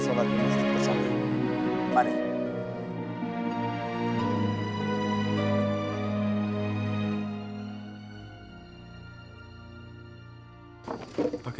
sepertinya nyai berintik belum datang juga